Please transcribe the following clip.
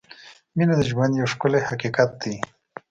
• مینه د ژوند یو ښکلی حقیقت دی.